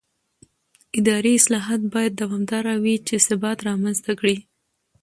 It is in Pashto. اداري اصلاحات باید دوامداره وي چې ثبات رامنځته کړي